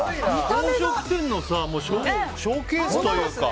宝飾店のショーケースというか。